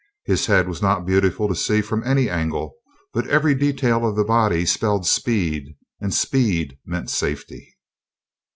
His head was not beautiful to see from any angle, but every detail of the body spelled speed, and speed meant safety.